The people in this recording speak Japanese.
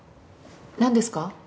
何ですか？